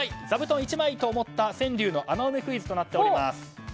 座布団１枚！と思った川柳の穴埋めクイズとなっています。